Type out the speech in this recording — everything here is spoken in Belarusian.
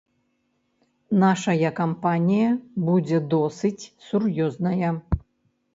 Нашая кампанія будзе досыць сур'ёзная.